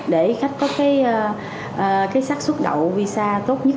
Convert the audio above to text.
để khách có cái sắc xuất đậu visa tốt nhất